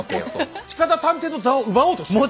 近田探偵の座を奪おうとしてる？